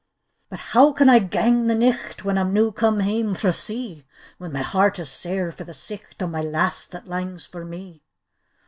"But how can I gang the nicht, When I'm new come hame frae sea? When my heart is sair for the sidit O' my lass that langs for me?"